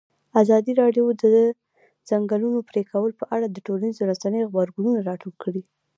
ازادي راډیو د د ځنګلونو پرېکول په اړه د ټولنیزو رسنیو غبرګونونه راټول کړي.